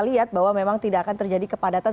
lihat bahwa memang tidak akan terjadi kepadatan